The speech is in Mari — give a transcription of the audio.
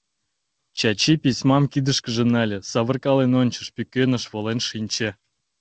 Чачи письмам кидышкыже нале, савыркален ончыш, пӱкеныш волен шинче...